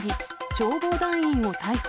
消防団員を逮捕。